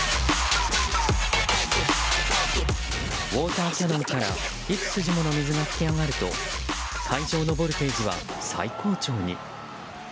ウォーターキャノンから幾筋もの水が噴き上がると会場のボルテージは最高潮に。